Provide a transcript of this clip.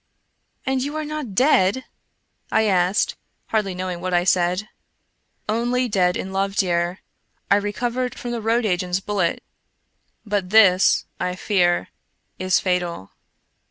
" And you are not dead ?" I asked, hardly knowing what I said. " Only dead in love, dear. I recovered from the road agent's bullet, but this, I fear, is fatal."